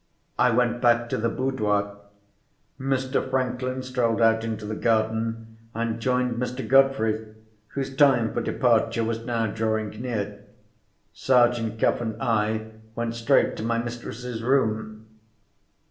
I went back to the "boudoir." Mr. Franklin strolled out into the garden, and joined Mr. Godfrey, whose time for departure was now drawing near. Sergeant Cuff and I went straight to my mistress's room.